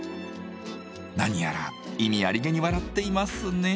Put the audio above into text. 何やら意味ありげに笑っていますね？